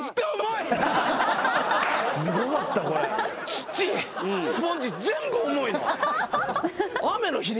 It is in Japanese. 土スポンジ全部重いの。